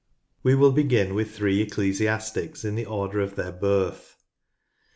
We will begin with three ecclesiastics in the order of their birth.